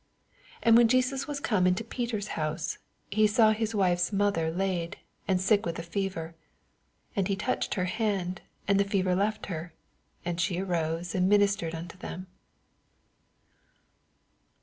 14 And when Jesus was oome into Peter's house, he saw his wife^s mother laid, and sick of a fever. 16 And he touched her hand, and the fever left her : and she arose, and ministered unto them.